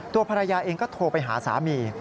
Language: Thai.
ตัวภรรยาเองก็โทรไปหาสามี